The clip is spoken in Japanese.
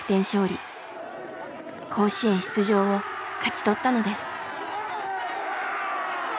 甲子園出場を勝ち取ったのです。